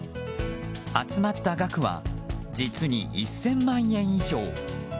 集まった額は実に１０００万円以上。